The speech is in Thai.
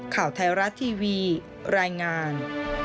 ข่าวไทยรัฐทีวีรายงาน